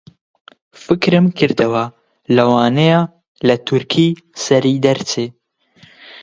فکرم کردەوە لەوانەیە لە تورکی سەری دەرچێ